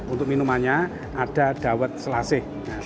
untuk minumannya ada dawet selasih